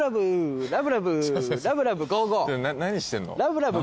何してんの？